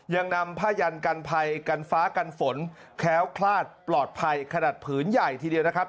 ยังนำผ้ายันกันภัยกันฟ้ากันฝนแค้วคลาดปลอดภัยขนาดผืนใหญ่ทีเดียวนะครับ